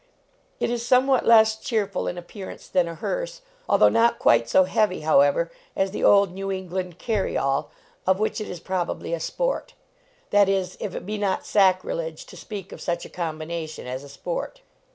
It is somewhat less cheerful in appearance than a hearse, although not quite so heavy, however, as the old Ne\V England carry all, of which it is probably 80 LEARNING TO TRAVEL a sport that is, if it be not sacrilege to speak of such a combination as a sport.